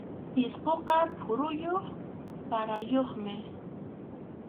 Pisquqa phuruyuq raprayuqmi.